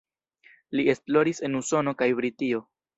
Li esploris en Usono kaj Britio.